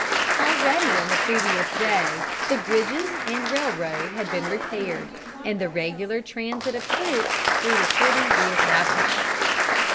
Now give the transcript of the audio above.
Already, on the previous day, the bridges and railroad had been repaired, and the regular transit of troops through the city reëstablished.